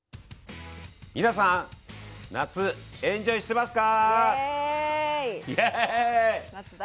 お子さんは夏休みエンジョイしてますか？